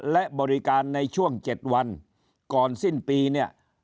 และบริการในช่วง๗วันก่อนสิ้นปีเนี่ย